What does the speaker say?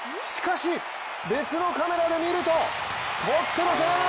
別のカメラで見るととってません！